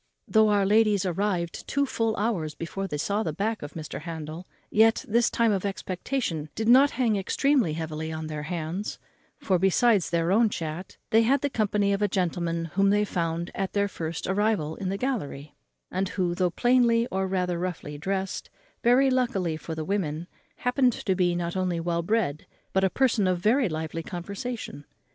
Though our ladies arrived full two hours before they saw the back of Mr. Handel, yet this time of expectation did not hang extremely heavy on their hands; for, besides their own chat, they had the company of the gentleman whom they found at their first arrival in the gallery, and who, though plainly, or rather roughly dressed, very luckily for the women, happened to be not only well bred, but a person of very lively conversation.